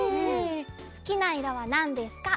すきないろはなんですか？